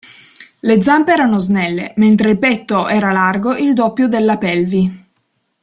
Le zampe erano snelle, mentre il petto era largo il doppio della pelvi.